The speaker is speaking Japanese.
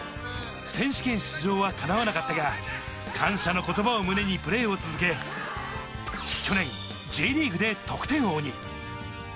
選手権出場は叶わなかったが、感謝の言葉を胸にプレーを続け、去年、Ｊリーグで得点王に。